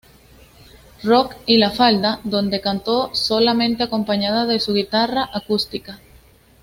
Rock y La Falda, donde cantó solamente acompañada de su guitarra acústica.